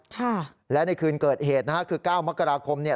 ค่ะและในคืนเกิดเหตุนะฮะคือเก้ามกราคมเนี่ย